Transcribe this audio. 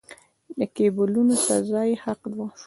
د کېبولونو سزا یې حق شوه.